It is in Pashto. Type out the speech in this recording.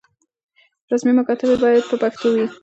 رسمي مکاتبې بايد په پښتو وي.